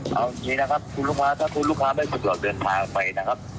เอาอย่างนี้นะครับคุณลูกค้าถ้าคุณลูกค้าไม่สะดวกเดินทางไปนะครับ